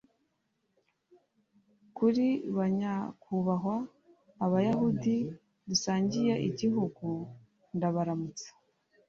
kuri banyakubahwa abayahudi dusangiye igihugu, ndabaramutsa